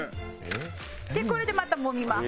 これでまたもみます。